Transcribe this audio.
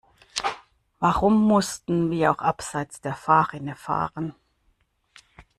Warum mussten wir auch abseits der Fahrrinne fahren?